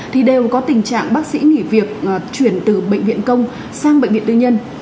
thì đều có tình trạng bác sĩ nghỉ việc chuyển từ bệnh viện công sang bệnh viện tư nhân